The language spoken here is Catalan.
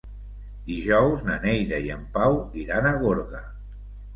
Dijous na Neida i en Pau iran a Gorga.